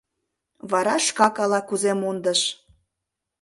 Вара шкак ала-кузе мондыш.